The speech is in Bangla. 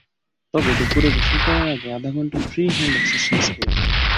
তবে দুপুরে গোসল করার আগে আধা ঘণ্টা ফ্রি হ্যান্ড এক্সারসাইজ করি।